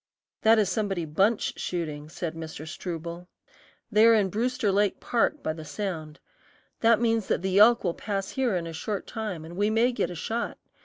"That is somebody bunch shooting," said Mr. Struble. "They are in Brewster Lake Park, by the sound. That means that the elk will pass here in a short time and we may get a shot.